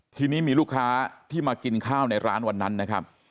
ทีนี้มีลูกค้าที่มากินข้าวในร้านวันนั้นนะครับ